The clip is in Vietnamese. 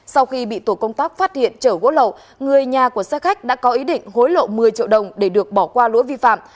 sau khi bị tổ công tác phát hiện trở gỗ lậu người nhà của xe khách đã có ý định hối lộ một mươi triệu đồng để được bỏ qua lỗi vi phạm